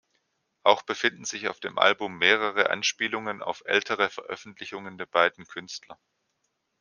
Auch befinden sich auf dem Album mehrere Anspielungen auf ältere Veröffentlichungen der beiden Künstler.